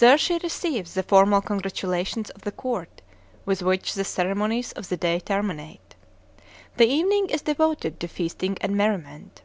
There she receives the formal congratulations of the court, with which the ceremonies of the day terminate. The evening is devoted to feasting and merriment.